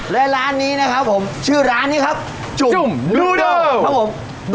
และร้านนี้นะครับผมชื่อร้านนี้ครับจุ่มนูดเดิลจุ่มนูดเดิล